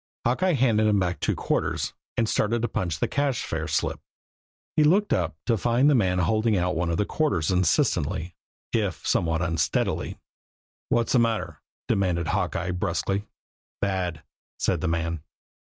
Hawkeye handed him back two quarters, and started to punch a cash fare slip. He looked up to find the man holding out one of the quarters insistently, if somewhat unsteadily. "What's the matter?" demanded Hawkeye brusquely. "Bad," said the man.